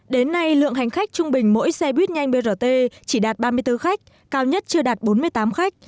đến nay lượng hành khách trung bình mỗi xe buýt nhanh brt chỉ đạt ba mươi bốn khách cao nhất chưa đạt bốn mươi tám khách